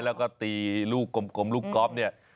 แล้วก็ตีลูกกลมลูกก๊อฟเนี่ย